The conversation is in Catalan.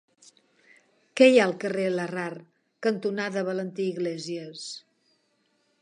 Què hi ha al carrer Larrard cantonada Valentí Iglésias?